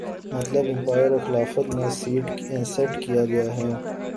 مطلب ایمپائر اور خلافت میں سیٹ کیا گیا ہے